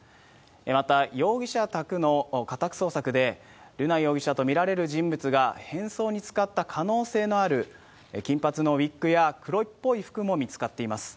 また、容疑者宅の家宅捜索で、瑠奈容疑者と見られる人物が変装に使った可能性のある金髪のウイッグや黒っぽい服も見つかっています。